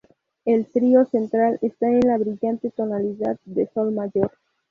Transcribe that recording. El "trio" central está en la brillante tonalidad de sol mayor.